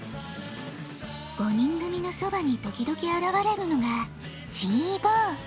５人組のそばに時々あらわれるのがチーボー。